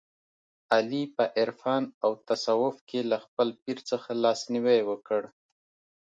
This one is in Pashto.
علي په عرفان او تصوف کې له خپل پیر څخه لاس نیوی وکړ.